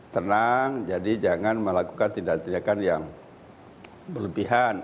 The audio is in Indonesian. tenang jadi jangan melakukan tindakan tindakan yang berlebihan